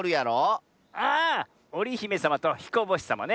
ああおりひめさまとひこぼしさまね。